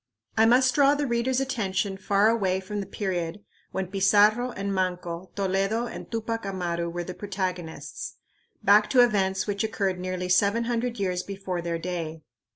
I must draw the reader's attention far away from the period when Pizarro and Manco, Toledo and Tupac Amaru were the protagonists, back to events which occurred nearly seven hundred years before their day.